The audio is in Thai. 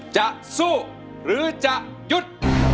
จะสู้หรือจะหยุด